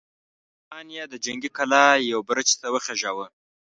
ميرويس خان يې د جنګي کلا يوه برج ته وخېژاوه!